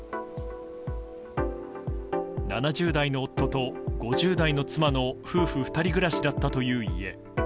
７０代の夫と５０代の妻の夫婦２人暮らしだったという家。